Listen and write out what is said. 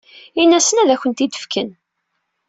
Ini-asen ad ak-t-id-fken.